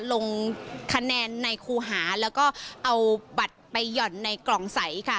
ลงคะแนนในครูหาแล้วก็เอาบัตรไปหย่อนในกล่องใสค่ะ